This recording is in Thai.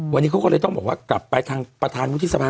วันนี้เขาก็เลยต้องบอกว่ากลับไปทางประธานวุฒิสภา